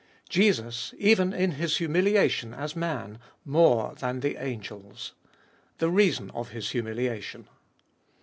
Jesus, even in His humiliation as Man, more than the Angels. The reason of His humiliation.